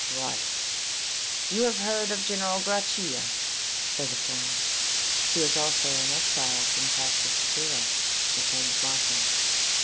"Right. You have heard of General Grachia?" said the foreigner. "He is also an exile from Castelcicala," returned Markham.